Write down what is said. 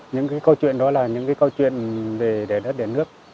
những câu chuyện đó là những câu chuyện về đẻ đất đẻ nước